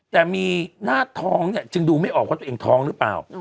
แต่มีหน้าท้องเนี่ยจึงดูไม่ออกว่าตัวเองท้องหรือเปล่า